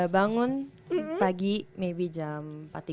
bangun pagi maybe jam empat tiga puluh